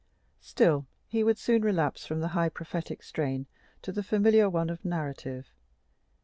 Still he would soon relapse from the high prophetic strain to the familiar one of narrative.